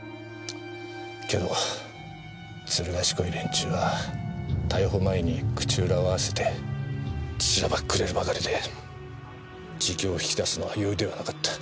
けどずる賢い連中は逮捕前に口裏を合わせてしらばっくれるばかりで自供を引き出すのは容易ではなかった。